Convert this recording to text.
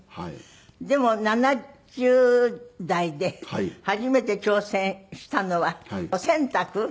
でも７０代で初めて挑戦したのはお洗濯？